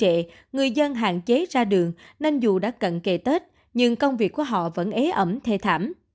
trên địa bàn tp huế người dân hạn chế ra đường nên dù đã cận kề tết nhưng công việc của họ vẫn ế ẩm thề thảm